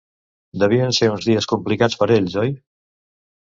Devien ser uns dies complicats per ells, oi?